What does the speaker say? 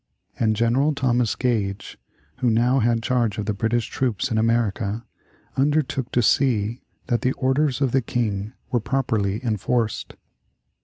And General Thomas Gage, who now had charge of the British troops in America, undertook to see that the orders of the King were properly enforced.